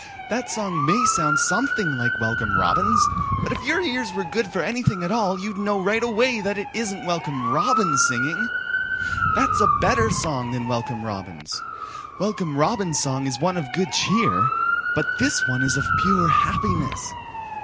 That song may sound something like Welcome Robin's, but if your ears were good for anything at all you'd know right away that that isn't Welcome Robin singing. That's a better song than Welcome Robin's. Welcome Robin's song is one of good cheer, but this one is of pure happiness.